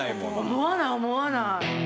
思わない思わない。